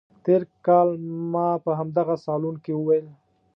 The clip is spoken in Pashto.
تېر کال ما په همدغه صالون کې وویل.